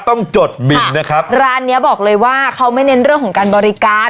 จดบินนะครับร้านเนี้ยบอกเลยว่าเขาไม่เน้นเรื่องของการบริการ